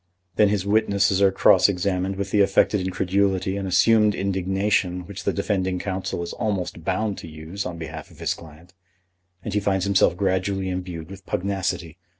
Then his witnesses are cross examined with the affected incredulity and assumed indignation which the defending counsel is almost bound to use on behalf of his client, and he finds himself gradually imbued with pugnacity.